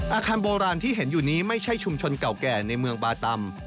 อาคารโบราณที่เห็นอยู่นี้ไม่ใช่ชุมชนเก่าแก่ในเมืองบาตำ